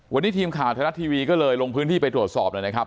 วันนี้ทีมข่าวไทยรัฐทีวีก็เลยลงพื้นที่ไปตรวจสอบหน่อยนะครับ